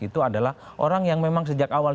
itu adalah orang yang memang sejak awal